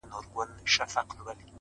• ما چي پېچومي د پامیر ستایلې,